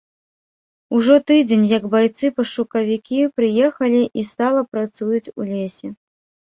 Ужо тыдзень, як байцы-пашукавікі прыехалі і стала працуюць у лесе.